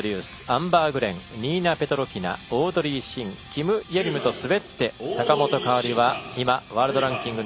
アンバー・グレンニーナ・ペトロキナオードリー・シンキム・イェリムと滑って坂本花織は今、ワールドランキング